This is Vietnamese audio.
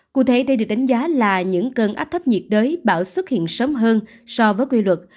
cụ thể đây được đánh giá là những cơn áp thấp nhiệt đới bão xuất hiện sớm hơn so với quy luật